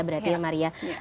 berarti ya maria